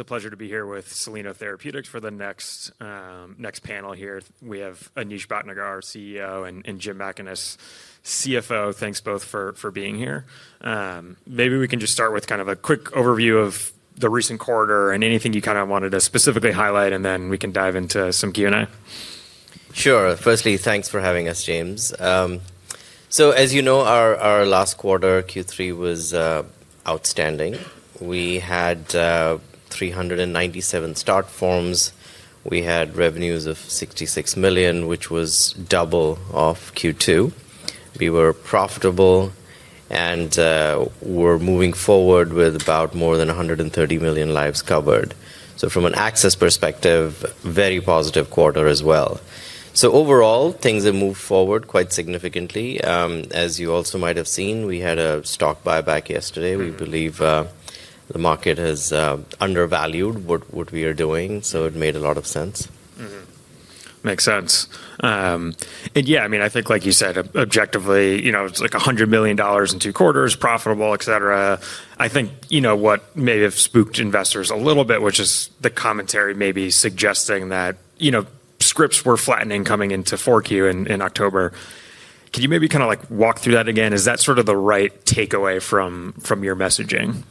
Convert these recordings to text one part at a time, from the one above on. It's a pleasure to be here with Soleno Therapeutics for the next panel here. We have Anish Bhatnagar, CEO, and Jim Mackaness, CFO. Thanks both for being here. Maybe we can just start with kind of a quick overview of the recent quarter and anything you kind of wanted to specifically highlight, and then we can dive into some Q&A. Sure. Firstly, thanks for having us, James. So, as you know, our last quarter, Q3, was outstanding. We had 397 start forms. We had revenues of $66 million, which was double of Q2. We were profitable and were moving forward with about more than 130 million lives covered. So, from an access perspective, very positive quarter as well. So, overall, things have moved forward quite significantly. As you also might have seen, we had a stock buyback yesterday. We believe the market has undervalued what we are doing, so it made a lot of sense. Makes sense. And yeah, I mean, I think, like you said, objectively, it's like $100 million in two quarters, profitable, et cetera. I think what may have spooked investors a little bit, which is the commentary maybe suggesting that scripts were flattening coming into 4Q in October. Can you maybe kind of walk through that again? Is that sort of the right takeaway from your messaging?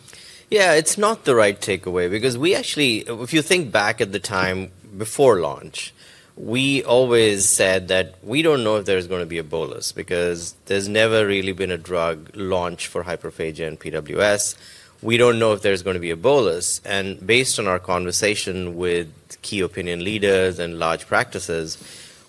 Yeah, it's not the right takeaway because we actually, if you think back at the time before launch, we always said that we don't know if there's going to be a bolus because there's never really been a drug launch for hyperphagia in PWS. We don't know if there's going to be a bolus. And based on our conversation with key opinion leaders and large practices,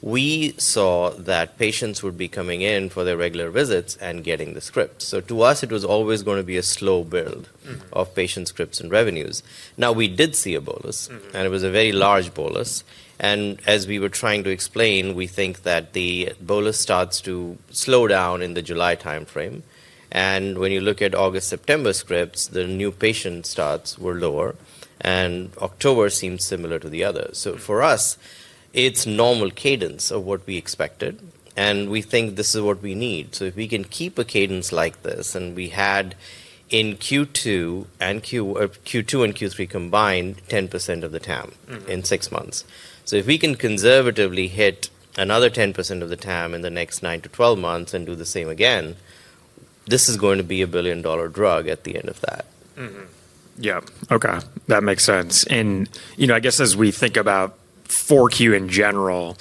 we saw that patients would be coming in for their regular visits and getting the script. So, to us, it was always going to be a slow build of patient scripts and revenues. Now, we did see a bolus, and it was a very large bolus. And as we were trying to explain, we think that the bolus starts to slow down in the July time frame. And when you look at August, September scripts, the new patient starts were lower, and October seemed similar to the others. So, for us, it's normal cadence of what we expected, and we think this is what we need. So, if we can keep a cadence like this, and we had in Q2 and Q3 combined 10% of the TAM in six months. So, if we can conservatively hit another 10% of the TAM in the next 9 to 12 months and do the same again, this is going to be a billion-dollar drug at the end of that. Yeah, okay. That makes sense. And I guess as we think about 4Q in general,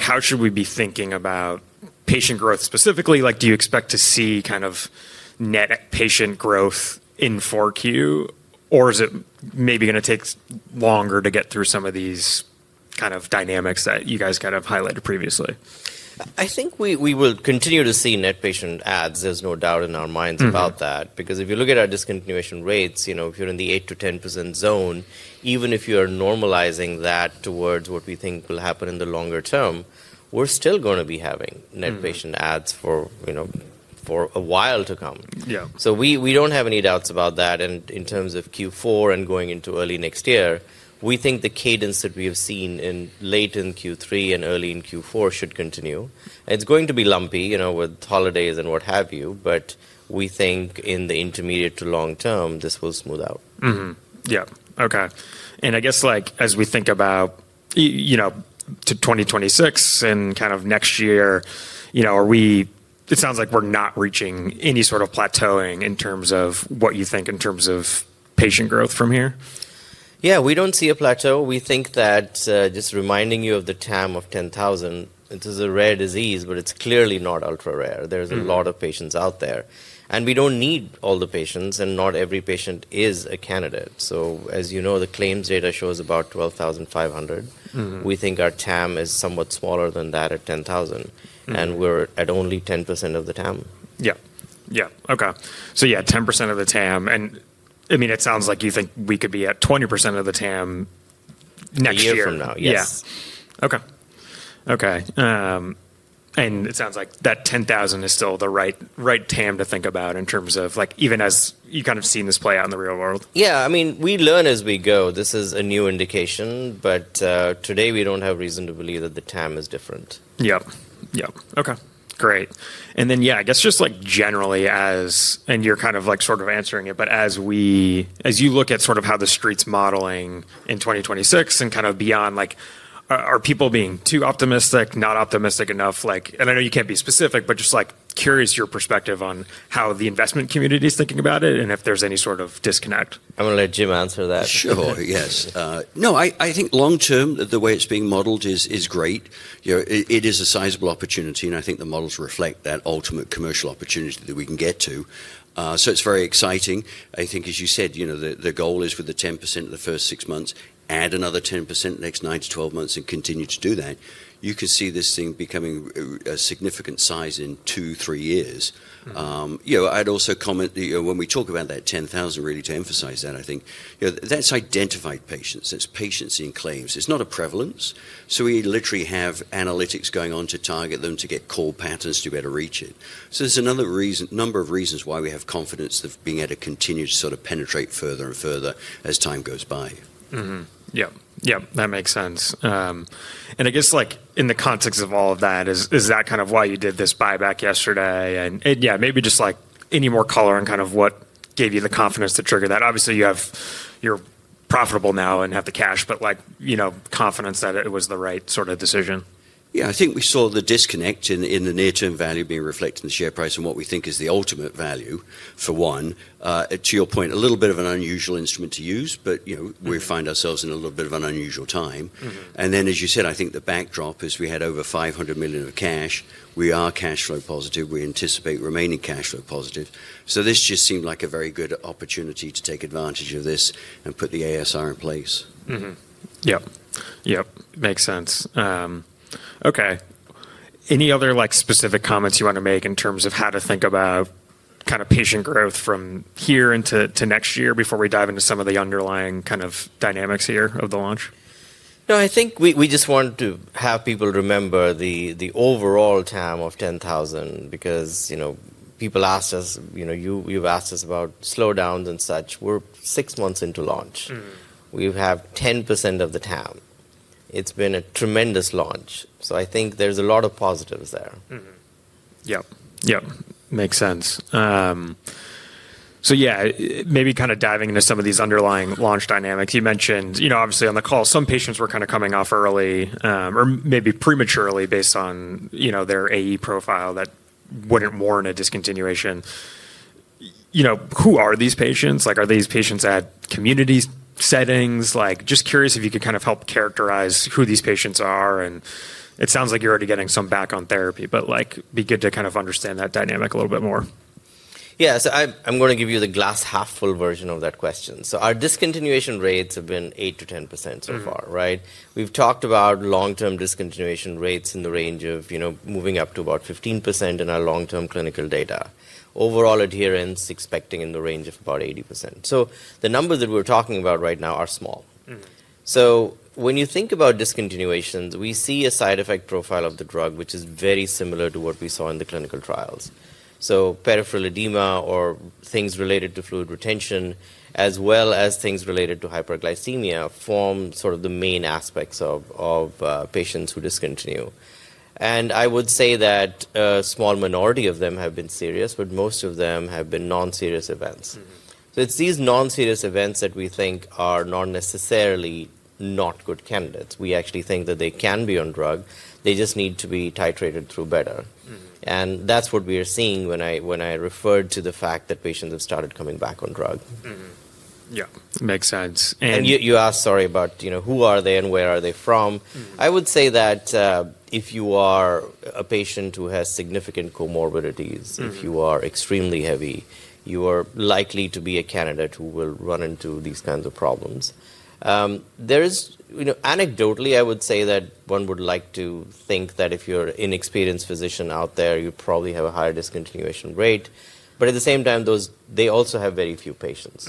how should we be thinking about patient growth specifically? Do you expect to see kind of net patient growth in 4Q, or is it maybe going to take longer to get through some of these kind of dynamics that you guys kind of highlighted previously? I think we will continue to see net patient adds. There's no doubt in our minds about that because if you look at our discontinuation rates, if you're in the 8%-10% zone, even if you are normalizing that towards what we think will happen in the longer term, we're still going to be having net patient adds for a while to come. So, we don't have any doubts about that. In terms of Q4 and going into early next year, we think the cadence that we have seen in late in Q3 and early in Q4 should continue. It's going to be lumpy with holidays and what have you, but we think in the intermediate to long term, this will smooth out. Yeah, okay. And I guess as we think about to 2026 and kind of next year, it sounds like we're not reaching any sort of plateauing in terms of what you think in terms of patient growth from here. Yeah, we don't see a plateau. We think that just reminding you of the TAM of 10,000, this is a rare disease, but it's clearly not ultra rare. There's a lot of patients out there, and we don't need all the patients, and not every patient is a candidate. So, as you know, the claims data shows about 12,500. We think our TAM is somewhat smaller than that at 10,000, and we're at only 10% of the TAM. Yeah, yeah, okay. So, yeah, 10% of the TAM. And I mean, it sounds like you think we could be at 20% of the TAM next year. A year from now, yes. Yeah, okay, okay. And it sounds like that 10,000 is still the right TAM to think about in terms of even as you kind of seen this play out in the real world. Yeah, I mean, we learn as we go. This is a new indication, but today we don't have reason to believe that the TAM is different. Yeah, yeah, okay, great. And then, yeah, I guess just generally, and you're kind of sort of answering it, but as you look at sort of how the street's modeling in 2026 and kind of beyond, are people being too optimistic, not optimistic enough? And I know you can't be specific, but just curious your perspective on how the investment community is thinking about it and if there's any sort of disconnect. I'm going to let Jim answer that. Sure, yes. No, I think long term, the way it's being modeled is great. It is a sizable opportunity, and I think the models reflect that ultimate commercial opportunity that we can get to. So, it's very exciting. I think, as you said, the goal is for the 10% of the first six months, add another 10% the next 9 to 12 months, and continue to do that. You can see this thing becoming a significant size in two, three years. I'd also comment that when we talk about that 10,000, really to emphasize that, I think that's identified patients. That's patients in claims. It's not a prevalence. So, we literally have analytics going on to target them to get core patterns to better reach it. So, there's another number of reasons why we have confidence of being able to continue to sort of penetrate further and further as time goes by. Yeah, yeah, that makes sense. And I guess in the context of all of that, is that kind of why you did this buyback yesterday? And yeah, maybe just any more color on kind of what gave you the confidence to trigger that? Obviously, you're profitable now and have the cash, but confidence that it was the right sort of decision. Yeah, I think we saw the disconnect in the near-term value being reflected in the share price and what we think is the ultimate value for one. To your point, a little bit of an unusual instrument to use, but we find ourselves in a little bit of an unusual time. And then, as you said, I think the backdrop is we had over $500 million of cash. We are cash flow positive. We anticipate remaining cash flow positive. So, this just seemed like a very good opportunity to take advantage of this and put the ASR in place. Yeah, yeah, makes sense. Okay. Any other specific comments you want to make in terms of how to think about kind of patient growth from here into next year before we dive into some of the underlying kind of dynamics here of the launch? No, I think we just want to have people remember the overall TAM of 10,000 because people asked us, you've asked us about slowdowns and such. We're six months into launch. We have 10% of the TAM. It's been a tremendous launch. So, I think there's a lot of positives there. Yeah, yeah, makes sense. So, yeah, maybe kind of diving into some of these underlying launch dynamics. You mentioned, obviously, on the call, some patients were kind of coming off early or maybe prematurely based on their AE profile that wouldn't warrant a discontinuation. Who are these patients? Are these patients at community settings? Just curious if you could kind of help characterize who these patients are. And it sounds like you're already getting some back on therapy, but be good to kind of understand that dynamic a little bit more. Yeah, so I'm going to give you the glass half-full version of that question. So, our discontinuation rates have been 8%-10% so far, right? We've talked about long-term discontinuation rates in the range of moving up to about 15% in our long-term clinical data. Overall adherence expecting in the range of about 80%. So, the numbers that we're talking about right now are small. So, when you think about discontinuations, we see a side effect profile of the drug, which is very similar to what we saw in the clinical trials. So, peripheral edema or things related to fluid retention, as well as things related to hyperglycemia, form sort of the main aspects of patients who discontinue. And I would say that a small minority of them have been serious, but most of them have been non-serious events. So, it's these non-serious events that we think are not necessarily not good candidates. We actually think that they can be on drug. They just need to be titrated through better. And that's what we are seeing when I referred to the fact that patients have started coming back on drug. Yeah, makes sense. And you asked, sorry, about who are they and where are they from. I would say that if you are a patient who has significant comorbidities, if you are extremely heavy, you are likely to be a candidate who will run into these kinds of problems. Anecdotally, I would say that one would like to think that if you're an inexperienced physician out there, you probably have a higher discontinuation rate. But at the same time, they also have very few patients.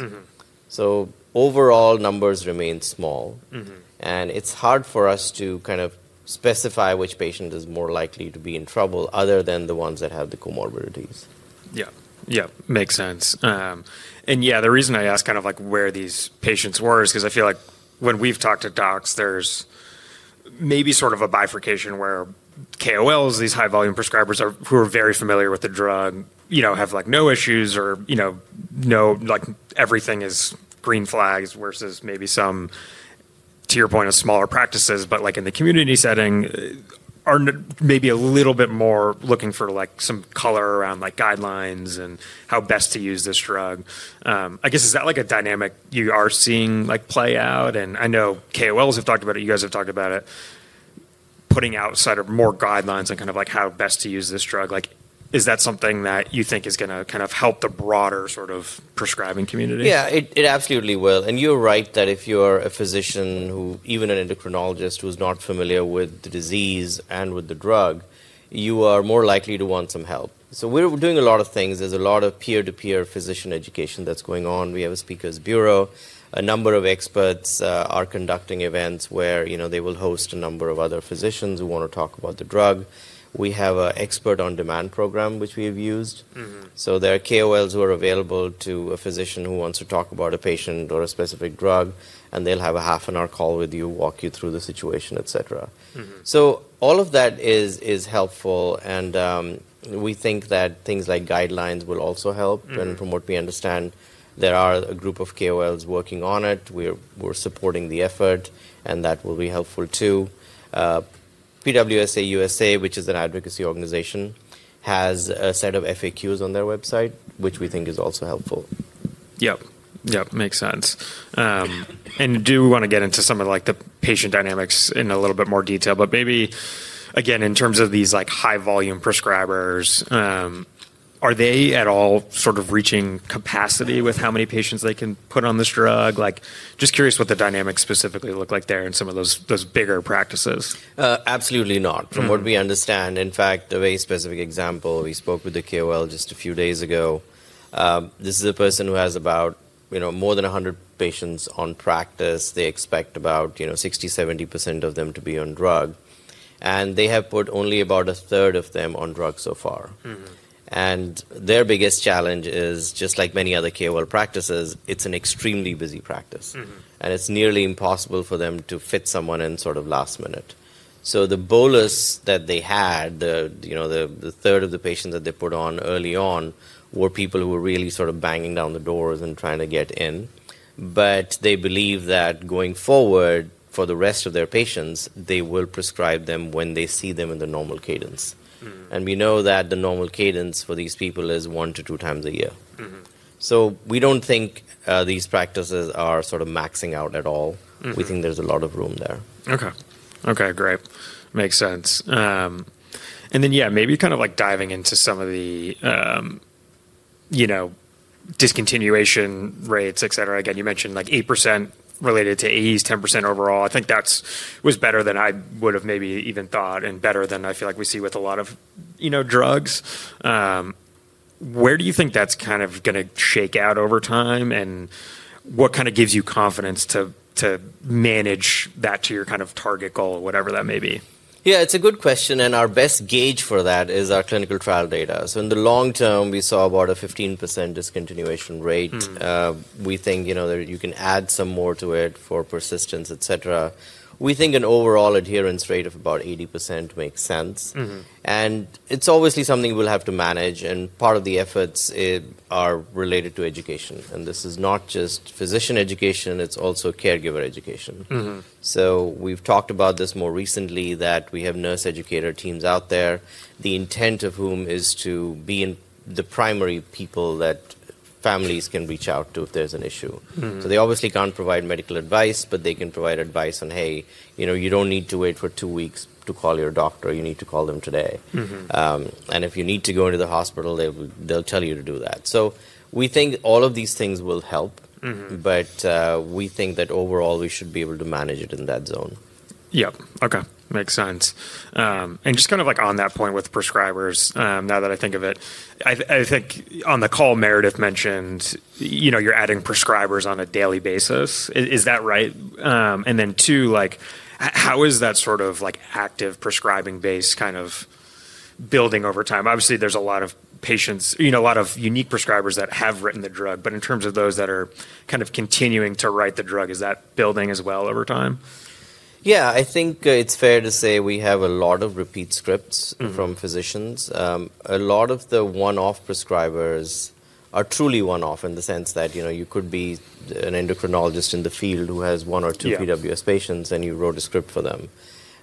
So, overall numbers remain small, and it's hard for us to kind of specify which patient is more likely to be in trouble other than the ones that have the comorbidities. Yeah, yeah, makes sense. And yeah, the reason I ask kind of where these patients were is because I feel like when we've talked to docs, there's maybe sort of a bifurcation where KOLs, these high-volume prescribers who are very familiar with the drug, have no issues or everything is green flags versus maybe some, to your point, of smaller practices, but in the community setting, are maybe a little bit more looking for some color around guidelines and how best to use this drug. I guess, is that a dynamic you are seeing play out? And I know KOLs have talked about it. You guys have talked about it, putting outside of more guidelines on kind of how best to use this drug. Is that something that you think is going to kind of help the broader sort of prescribing community? Yeah, it absolutely will. And you're right that if you're a physician, even an endocrinologist who's not familiar with the disease and with the drug, you are more likely to want some help. So, we're doing a lot of things. There's a lot of peer-to-peer physician education that's going on. We have a speakers' bureau. A number of experts are conducting events where they will host a number of other physicians who want to talk about the drug. We have an expert on demand program, which we have used. So, there are KOLs who are available to a physician who wants to talk about a patient or a specific drug, and they'll have a half-an-hour call with you, walk you through the situation, et cetera. So, all of that is helpful, and we think that things like guidelines will also help and from what we understand, there are a group of KOLs working on it. We're supporting the effort, and that will be helpful too. PWSA USA, which is an advocacy organization, has a set of FAQs on their website, which we think is also helpful. Yeah, yeah, makes sense. And do we want to get into some of the patient dynamics in a little bit more detail, but maybe again, in terms of these high-volume prescribers, are they at all sort of reaching capacity with how many patients they can put on this drug? Just curious what the dynamics specifically look like there in some of those bigger practices. Absolutely not. From what we understand, in fact, the very specific example, we spoke with the KOL just a few days ago. This is a person who has about more than 100 patients on practice. They expect about 60%, 70% of them to be on drug, and they have put only about a third of them on drug so far. And their biggest challenge is, just like many other KOL practices, it's an extremely busy practice, and it's nearly impossible for them to fit someone in sort of last minute. So, the bolus that they had, the third of the patients that they put on early on were people who were really sort of banging down the doors and trying to get in. But they believe that going forward for the rest of their patients, they will prescribe them when they see them in the normal cadence. And we know that the normal cadence for these people is one to two times a year. So, we don't think these practices are sort of maxing out at all. We think there's a lot of room there. Okay, okay, great. Makes sense. And then, yeah, maybe kind of diving into some of the discontinuation rates, et cetera. Again, you mentioned 8% related to AEs, 10% overall. I think that was better than I would have maybe even thought and better than I feel like we see with a lot of drugs. Where do you think that's kind of going to shake out over time, and what kind of gives you confidence to manage that to your kind of target goal, whatever that may be? Yeah, it's a good question, and our best gauge for that is our clinical trial data. So, in the long term, we saw about a 15% discontinuation rate. We think you can add some more to it for persistence, et cetera. We think an overall adherence rate of about 80% makes sense. And it's obviously something we'll have to manage, and part of the efforts are related to education. And this is not just physician education. It's also caregiver education. So, we've talked about this more recently that we have nurse educator teams out there, the intent of whom is to be the primary people that families can reach out to if there's an issue. So, they obviously can't provide medical advice, but they can provide advice on, "Hey, you don't need to wait for two weeks to call your doctor. You need to call them today. And if you need to go into the hospital, they'll tell you to do that." So, we think all of these things will help, but we think that overall, we should be able to manage it in that zone. Yeah, okay, makes sense. And just kind of on that point with prescribers, now that I think of it, I think on the call, Meredith mentioned you're adding prescribers on a daily basis. Is that right? And then, two, how is that sort of active prescribing base kind of building over time? Obviously, there's a lot of patients, a lot of unique prescribers that have written the drug, but in terms of those that are kind of continuing to write the drug, is that building as well over time? Yeah, I think it's fair to say we have a lot of repeat scripts from physicians. A lot of the one-off prescribers are truly one-off in the sense that you could be an endocrinologist in the field who has one or two PWS patients, and you wrote a script for them.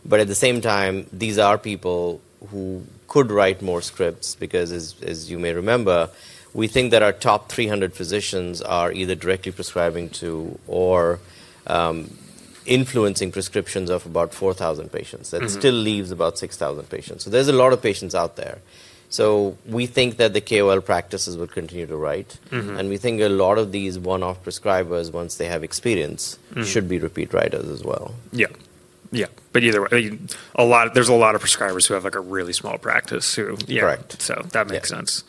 But at the same time, these are people who could write more scripts because, as you may remember, we think that our top 300 physicians are either directly prescribing to or influencing prescriptions of about 4,000 patients. That still leaves about 6,000 patients. So, there's a lot of patients out there. So, we think that the KOL practices will continue to write, and we think a lot of these one-off prescribers, once they have experience, should be repeat writers as well. Yeah, yeah, but either way, there's a lot of prescribers who have a really small practice who. Correct. So, that makes sense.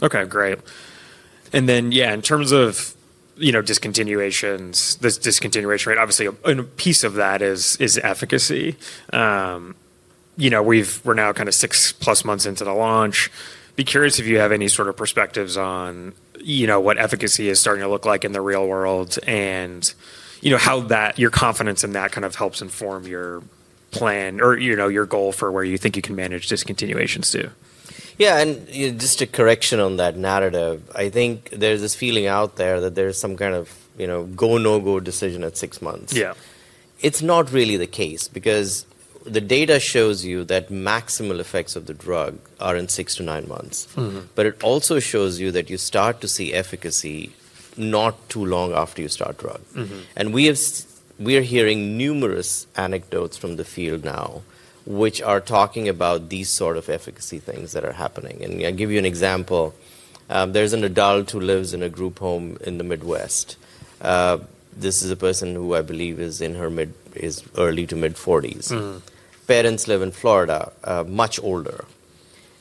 Okay, great. And then, yeah, in terms of discontinuations, this discontinuation rate, obviously, a piece of that is efficacy. We're now kind of six-plus months into the launch. Be curious if you have any sort of perspectives on what efficacy is starting to look like in the real world and how your confidence in that kind of helps inform your plan or your goal for where you think you can manage discontinuations too. Yeah, and just a correction on that narrative. I think there's this feeling out there that there's some kind of go, no-go decision at six months. It's not really the case because the data shows you that maximal effects of the drug are in six to nine months. But it also shows you that you start to see efficacy not too long after you start drug. And we are hearing numerous anecdotes from the field now, which are talking about these sort of efficacy things that are happening. And I'll give you an example. There's an adult who lives in a group home in the Midwest. This is a person who I believe is early to mid-40s. Parents live in Florida, much older.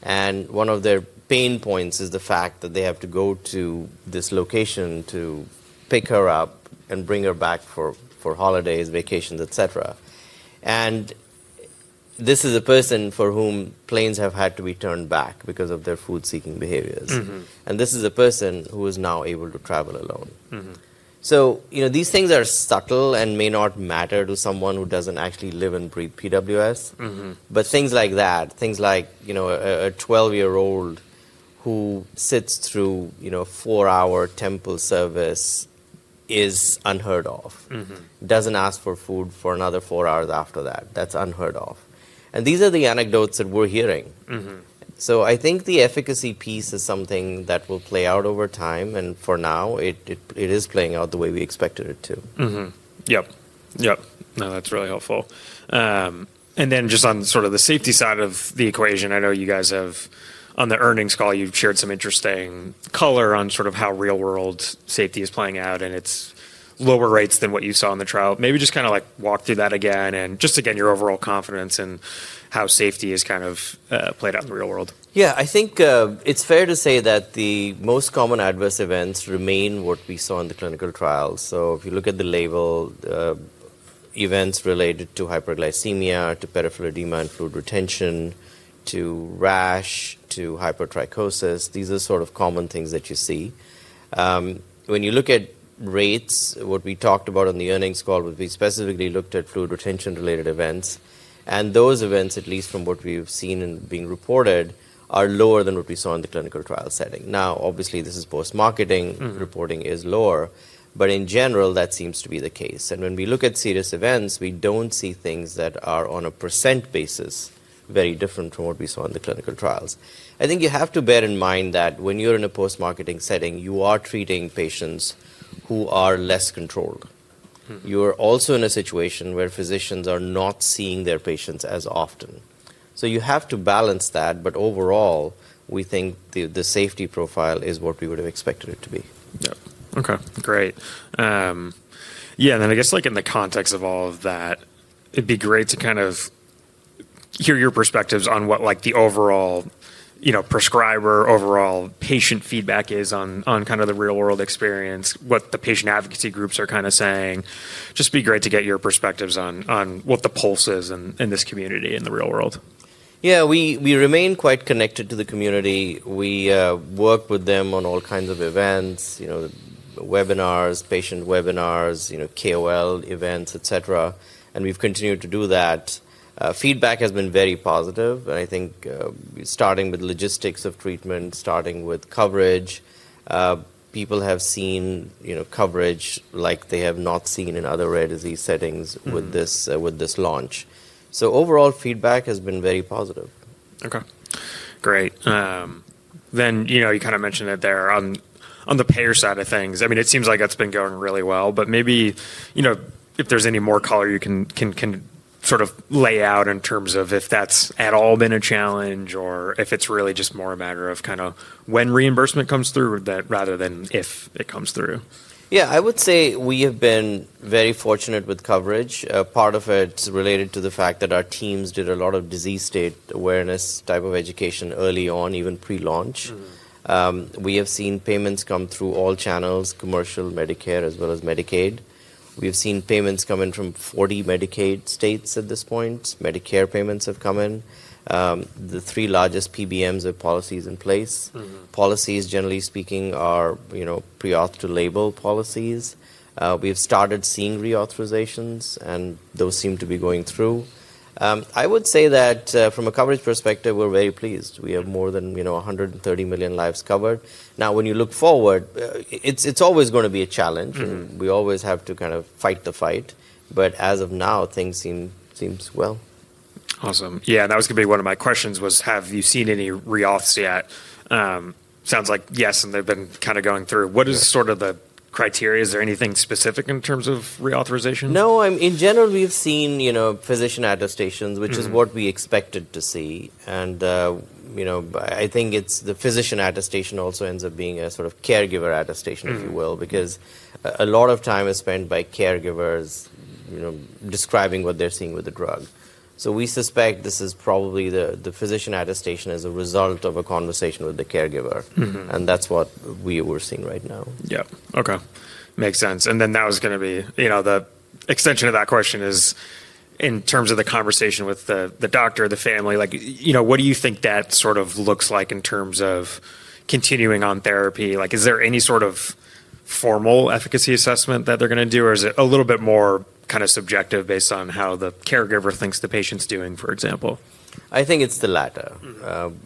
And one of their pain points is the fact that they have to go to this location to pick her up and bring her back for holidays, vacations, et cetera. And this is a person for whom planes have had to be turned back because of their food-seeking behaviors. And this is a person who is now able to travel alone. So, these things are subtle and may not matter to someone who doesn't actually live and breathe PWS. But things like that, things like a 12-year-old who sits through a four-hour temple service is unheard of. Doesn't ask for food for another four hours after that. That's unheard of. And these are the anecdotes that we're hearing. So, I think the efficacy piece is something that will play out over time, and for now, it is playing out the way we expected it to. Yep, yep. No, that's really helpful. And then just on sort of the safety side of the equation, I know you guys have, on the earnings call, you've shared some interesting color on sort of how real-world safety is playing out, and it's lower rates than what you saw in the trial. Maybe just kind of walk through that again and just, again, your overall confidence in how safety has kind of played out in the real world. Yeah, I think it's fair to say that the most common adverse events remain what we saw in the clinical trials. So, if you look at the label, events related to hyperglycemia, to peripheral edema and fluid retention, to rash, to hypertrichosis, these are sort of common things that you see. When you look at rates, what we talked about on the earnings call, we specifically looked at fluid retention-related events. And those events, at least from what we've seen and been reported, are lower than what we saw in the clinical trial setting. Now, obviously, this is post-marketing. Reporting is lower, but in general, that seems to be the case. And when we look at serious events, we don't see things that are on a percent basis very different from what we saw in the clinical trials. I think you have to bear in mind that when you're in a post-marketing setting, you are treating patients who are less controlled. You're also in a situation where physicians are not seeing their patients as often. So, you have to balance that, but overall, we think the safety profile is what we would have expected it to be. Yeah, okay, great. Yeah, and then I guess in the context of all of that, it'd be great to kind of hear your perspectives on what the overall prescriber, overall patient feedback is on kind of the real-world experience, what the patient advocacy groups are kind of saying. Just be great to get your perspectives on what the pulse is in this community in the real world. Yeah, we remain quite connected to the community. We work with them on all kinds of events, webinars, patient webinars, KOL events, et cetera. And we've continued to do that. Feedback has been very positive, and I think starting with logistics of treatment, starting with coverage, people have seen coverage like they have not seen in other rare disease settings with this launch. So, overall, feedback has been very positive. Okay, great. Then you kind of mentioned that there on the payer side of things, I mean, it seems like that's been going really well, but maybe if there's any more color you can sort of lay out in terms of if that's at all been a challenge or if it's really just more a matter of kind of when reimbursement comes through rather than if it comes through. Yeah, I would say we have been very fortunate with coverage. Part of it is related to the fact that our teams did a lot of disease state awareness type of education early on, even pre-launch. We have seen payments come through all channels, commercial, Medicare, as well as Medicaid. We have seen payments come in from 40 Medicaid states at this point. Medicare payments have come in. The three largest PBMs have policies in place. Policies, generally speaking, are pre-auth to label policies. We have started seeing reauthorizations, and those seem to be going through. I would say that from a coverage perspective, we're very pleased. We have more than 130 million lives covered. Now, when you look forward, it's always going to be a challenge, and we always have to kind of fight the fight. But as of now, things seem well. Awesome. Yeah, that was going to be one of my questions was, have you seen any reauths yet? Sounds like yes, and they've been kind of going through. What is sort of the criteria? Is there anything specific in terms of reauthorization? No, in general, we've seen physician attestations, which is what we expected to see. And I think the physician attestation also ends up being a sort of caregiver attestation, if you will, because a lot of time is spent by caregivers describing what they're seeing with the drug. So, we suspect this is probably the physician attestation as a result of a conversation with the caregiver, and that's what we were seeing right now. Yeah, okay. Makes sense. And then that was going to be the extension of that question is in terms of the conversation with the doctor, the family, what do you think that sort of looks like in terms of continuing on therapy? Is there any sort of formal efficacy assessment that they're going to do, or is it a little bit more kind of subjective based on how the caregiver thinks the patient's doing, for example? I think it's the latter.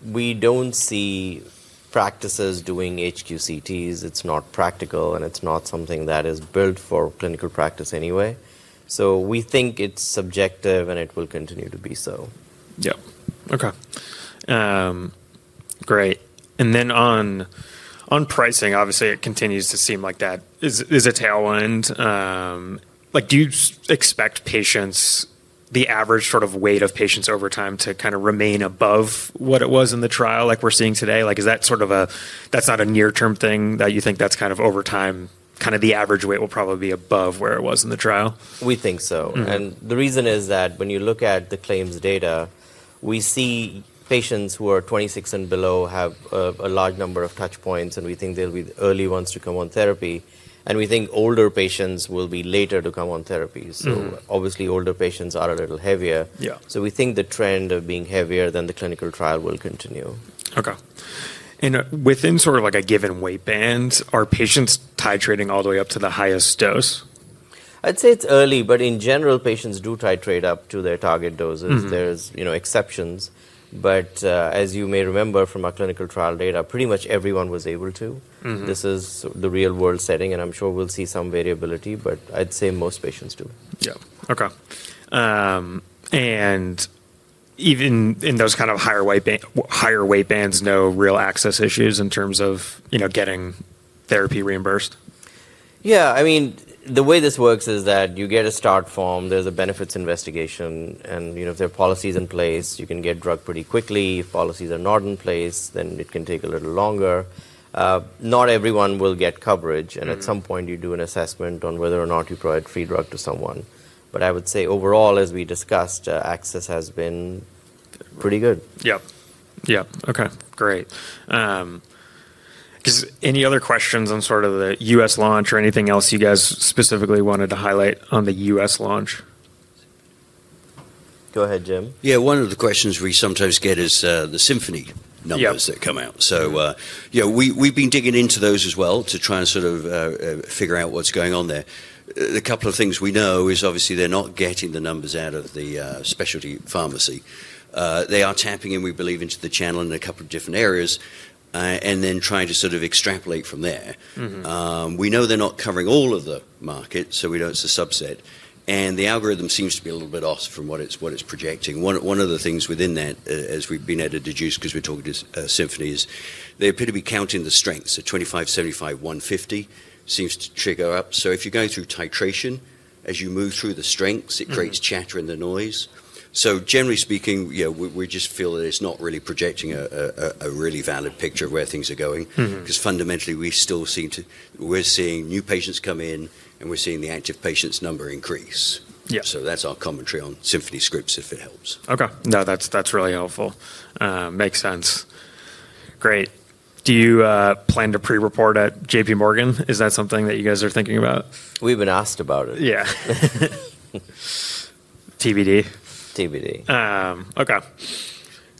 We don't see practices doing HQCTs. It's not practical, and it's not something that is built for clinical practice anyway. So, we think it's subjective, and it will continue to be so. Yeah, okay. Great. And then on pricing, obviously, it continues to seem like that is a tailwind. Do you expect patients, the average sort of weight of patients over time to kind of remain above what it was in the trial like we're seeing today? Is that sort of a, that's not a near-term thing that you think that's kind of over time, kind of the average weight will probably be above where it was in the trial? We think so. And the reason is that when you look at the claims data, we see patients who are 26 and below have a large number of touch points, and we think they'll be the early ones to come on therapy. And we think older patients will be later to come on therapy. So, obviously, older patients are a little heavier. So, we think the trend of being heavier than the clinical trial will continue. Okay. And within sort of a given weight band, are patients titrating all the way up to the highest dose? I'd say it's early, but in general, patients do titrate up to their target doses. There's exceptions. But as you may remember from our clinical trial data, pretty much everyone was able to. This is the real-world setting, and I'm sure we'll see some variability, but I'd say most patients do. Yeah, okay. And even in those kind of higher weight bands, no real access issues in terms of getting therapy reimbursed? Yeah, I mean, the way this works is that you get a start form, there's a benefits investigation, and if there are policies in place, you can get drug pretty quickly. If policies are not in place, then it can take a little longer. Not everyone will get coverage, and at some point, you do an assessment on whether or not you provide free drug to someone. But I would say overall, as we discussed, access has been pretty good. Yeah, yeah, okay. Great. Any other questions on sort of the U.S. launch or anything else you guys specifically wanted to highlight on the U.S. launch? Go ahead, Jim. Yeah, one of the questions we sometimes get is the Symphony numbers that come out. So, yeah, we've been digging into those as well to try and sort of figure out what's going on there. A couple of things we know is obviously they're not getting the numbers out of the specialty pharmacy. They are tapping in, we believe, into the channel in a couple of different areas and then trying to sort of extrapolate from there. We know they're not covering all of the market, so we know it's a subset. And the algorithm seems to be a little bit off from what it's projecting. One of the things within that, as we've been able to deduce because we're talking to Symphony, is they appear to be counting the strengths. The 25, 75, 150 seems to trigger up. So, if you're going through titration, as you move through the strengths, it creates chatter in the noise. So, generally speaking, we just feel that it's not really projecting a really valid picture of where things are going because fundamentally, we still seem to, we're seeing new patients come in, and we're seeing the active patients number increase. So, that's our commentary on Symphony scripts, if it helps. Okay. No, that's really helpful. Makes sense. Great. Do you plan to pre-report at JPMorgan? Is that something that you guys are thinking about? We've been asked about it. Yeah. TBD? TBD. Okay.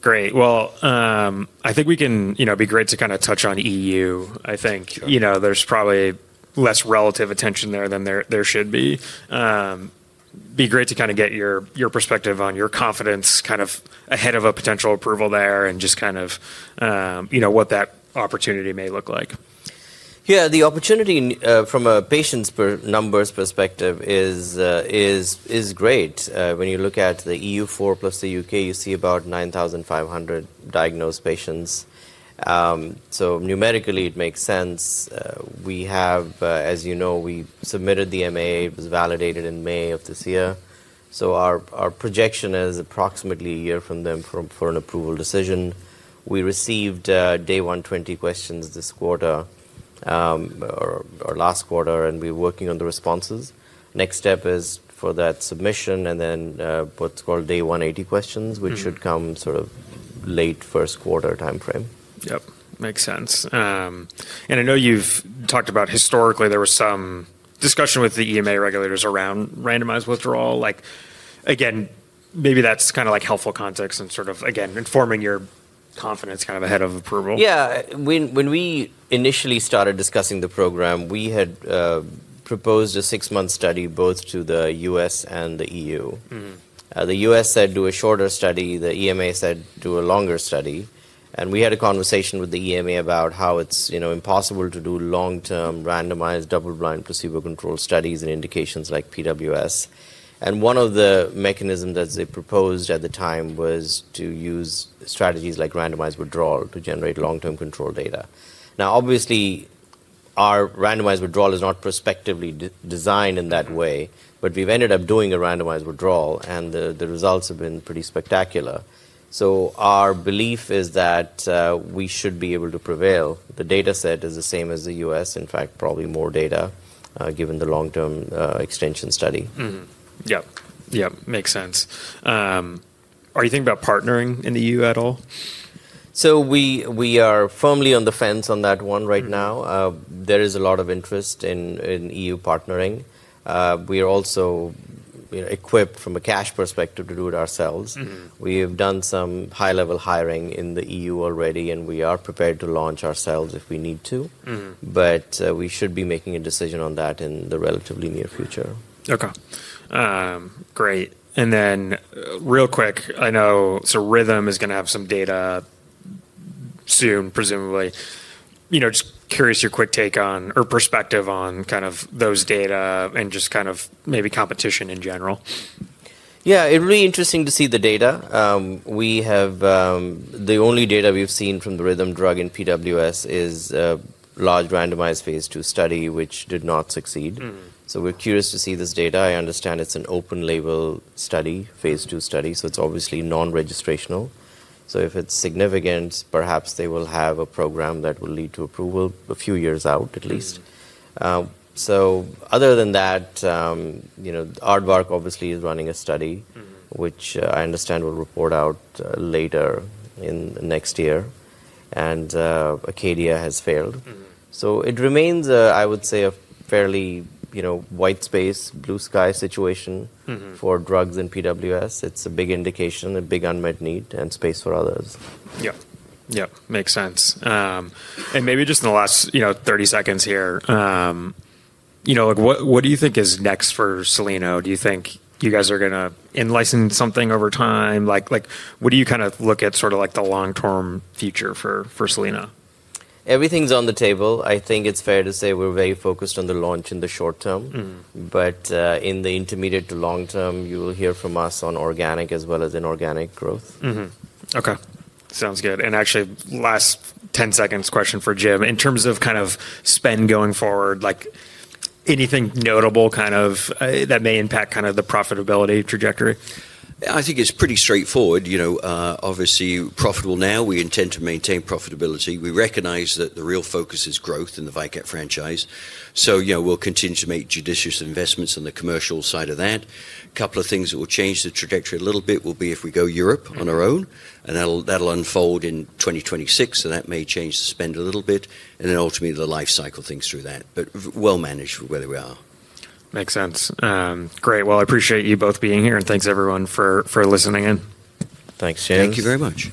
Great. Well, I think we can, it'd be great to kind of touch on EU. I think there's probably less relative attention there than there should be. It'd be great to kind of get your perspective on your confidence kind of ahead of a potential approval there and just kind of what that opportunity may look like. Yeah, the opportunity from a patients' numbers perspective is great. When you look at the EU4 plus the U.K., you see about 9,500 diagnosed patients. So, numerically, it makes sense. We have, as you know, we submitted the MAA, it was validated in May of this year. So, our projection is approximately a year from them for an approval decision. We received day 120 questions this quarter or last quarter, and we're working on the responses. Next step is for that submission and then what's called day 180 questions, which should come sort of late first quarter timeframe. Yep. Makes sense. And I know you've talked about historically there was some discussion with the EMA regulators around randomized withdrawal. Again, maybe that's kind of helpful context and sort of, again, informing your confidence kind of ahead of approval. Yeah. When we initially started discussing the program, we had proposed a six-month study both to the U.S. and the EU. The U.S. said, do a shorter study. The EMA said, do a longer study. And we had a conversation with the EMA about how it's impossible to do long-term randomized double-blind placebo-controlled studies and indications like PWS. And one of the mechanisms that they proposed at the time was to use strategies like randomized withdrawal to generate long-term control data. Now, obviously, our randomized withdrawal is not prospectively designed in that way, but we've ended up doing a randomized withdrawal, and the results have been pretty spectacular. So, our belief is that we should be able to prevail. The data set is the same as the U.S., in fact, probably more data given the long-term extension study. Yep, yep. Makes sense. Are you thinking about partnering in the EU at all? So, we are firmly on the fence on that one right now. There is a lot of interest in EU partnering. We are also equipped from a cash perspective to do it ourselves. We have done some high-level hiring in the EU already, and we are prepared to launch ourselves if we need to. But we should be making a decision on that in the relatively near future. Okay. Great. And then real quick, I know so Rhythm is going to have some data soon, presumably. Just curious your quick take on or perspective on kind of those data and just kind of maybe competition in general. Yeah, it'd be interesting to see the data. The only data we've seen from the Rhythm drug in PWS is a large randomized phase two study, which did not succeed. So, we're curious to see this data. I understand it's an open label study, phase two study. So, it's obviously non-registrational. So, if it's significant, perhaps they will have a program that will lead to approval a few years out at least. So, other than that, Ardvark obviously is running a study, which I understand will report out later in next year. And Acadia has failed. So, it remains, I would say, a fairly white space, blue sky situation for drugs in PWS. It's a big indication, a big unmet need, and space for others. Yeah, yeah. Makes sense. And maybe just in the last 30 seconds here, what do you think is next for Soleno? Do you think you guys are going to enlicense something over time? What do you kind of look at sort of the long-term future for Selena? Everything's on the table. I think it's fair to say we're very focused on the launch in the short term. But in the intermediate to long term, you will hear from us on organic as well as inorganic growth. Okay. Sounds good. Actually, last 10 seconds question for Jim. In terms of kind of spend going forward, anything notable kind of that may impact kind of the profitability trajectory? I think it's pretty straightforward. Obviously, profitable now, we intend to maintain profitability. We recognize that the real focus is growth in the VYKAT franchise. We'll continue to make judicious investments on the commercial side of that. A couple of things that will change the trajectory a little bit will be if we go Europe on our own, and that'll unfold in 2026. That may change the spend a little bit, and then ultimately the life cycle things through that. But well managed for where we are. Makes sense. Great. Well, I appreciate you both being here, and thanks everyone for listening in. Thanks, James. Thank you very much.